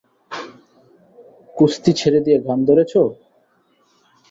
কুস্তি ছেড়ে দিয়ে গান ধরেছ?